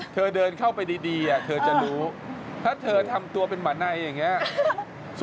เธอเดินเข้าไปดีเธอจะรู้ถ้าเธอทำตัวเป็นหมาในอย่างนี้